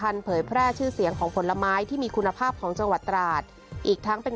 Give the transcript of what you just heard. เผยแพร่ชื่อเสียงของผลไม้ที่มีคุณภาพของจังหวัดตราดอีกทั้งเป็น